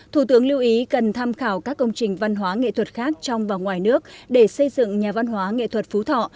thủ tướng lưu ý cần tham khảo các công trình văn hóa nghệ thuật khác trong và ngoài nước để xây dựng nhà văn hóa nghệ thuật phú thọ